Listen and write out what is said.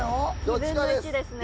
２分の１ですね